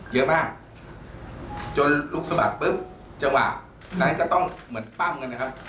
เยอะมากจนลูกสะบัดปุ๊บจังหวะนั้นก็ต้องเหมือนปั้มกันนะครับ